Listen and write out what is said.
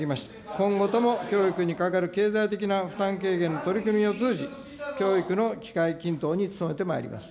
今後とも教育にかかる経済的な負担軽減、取り組みを通じ、教育の機会均等に努めてまいります。